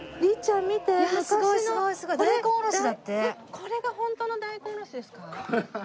これがホントの大根おろしですか？